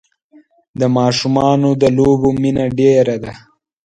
د ماشومان د لوبو مینه ډېره ده.